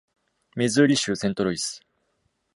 ミズーリ州セントルイス